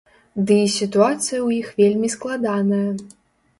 Ды й сітуацыя ў іх вельмі складаная.